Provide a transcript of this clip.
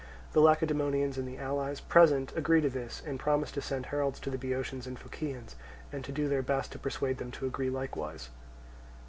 The Lacedaemonians and the allies present agree to this, and promise to send heralds to the Boeotians and Phocians, and to do their best to persuade them to agree likewise.